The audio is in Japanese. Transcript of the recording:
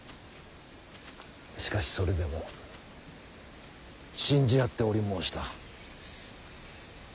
しかしそれでも信じ合っており申した。